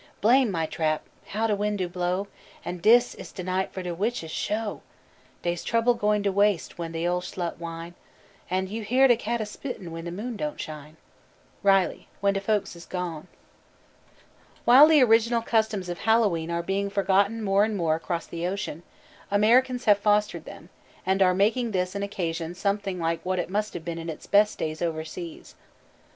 "Blame my trap! how de wind do blow; And dis is das de night for de witches, sho! Dey's trouble going to waste when de ole slut whine, An' you hear de cat a spittin' when de moon don't shine." RILEY: When de Folks is Gone. While the original customs of Hallowe'en are being forgotten more and more across the ocean, Americans have fostered them, and are making this an occasion something like what it must have been in its best days overseas.